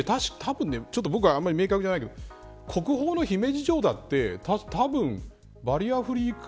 僕はあんまり明確じゃないけど国宝の姫路城だってたぶん、バリアフリー化